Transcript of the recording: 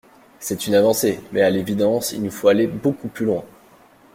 C’est une avancée mais, à l’évidence, il nous faut aller beaucoup plus loin.